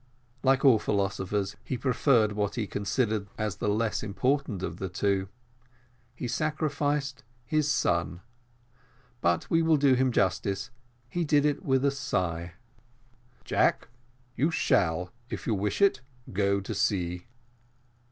Like all philosophers, he preferred what he considered as the less important of the two, he sacrificed his son; but we will do him justice he did it with a sigh. "Jack, you shall, if you wish it, go to sea."